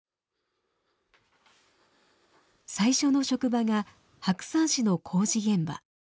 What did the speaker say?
最初の職場が白山市の工事現場。